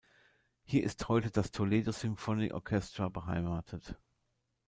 Hier ist heute das Toledo Symphony Orchestra beheimatet.